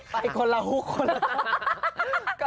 แฟนก็เพลงรำใหญ่นี่ละ